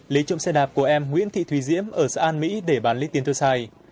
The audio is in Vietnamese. lấy trộm xe đạp của em nguyễn thị thùy diễm ở xã an mỹ để bán lấy tiền tiêu xài